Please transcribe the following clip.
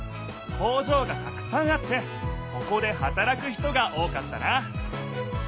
工場がたくさんあってそこではたらく人が多かったな。